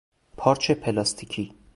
پارچ پلاستیکی